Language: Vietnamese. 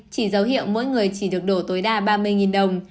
chỉ dấu hiệu mỗi người chỉ được đổ tối đa ba mươi đồng